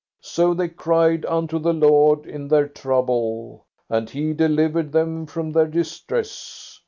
So they cried unto the Lord in their trouble, and He delivered them from their distress.